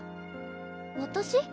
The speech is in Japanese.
私？